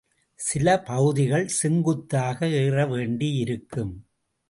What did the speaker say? சில பகுதிகள் செங்குத்தாக ஏற வேண்டியிருக்கும்.